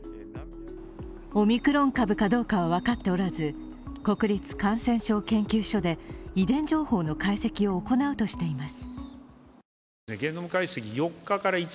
オミクロン株かどうかは分かっておらず、国立感染症研究所で遺伝情報の解析を行うとしています。